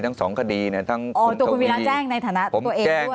ทั้งสองคดีเนี่ยทั้งตัวคุณวีระแจ้งในฐานะตัวเองด้วย